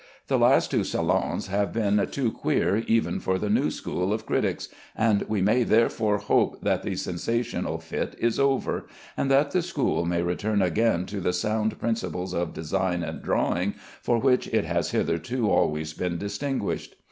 The last two Salons have been too queer even for the new school of critics, and we may therefore hope that the sensational fit is over, and that the school may return again to the sound principles of design and drawing for which it has hitherto always been distinguished.